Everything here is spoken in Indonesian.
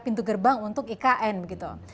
pintu gerbang untuk ikn gitu